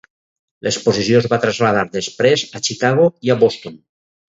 L'exposició es va traslladar després a Chicago i a Boston.